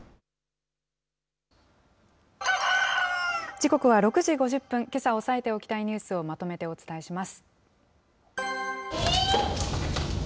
時刻は６時５０分、けさ押さえておきたいニュースをまとめてお伝えします。